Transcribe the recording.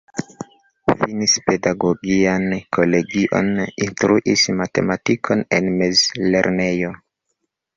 Finis pedagogian kolegion, instruis matematikon en mezlernejo.